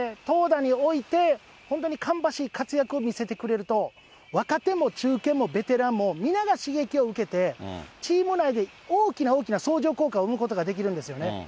投打において、本当に芳しい活躍を見せてくれると、若手も中堅もベテランも皆が刺激を受けて、チーム内で大きな大きな相乗効果を生むことができるんですよね。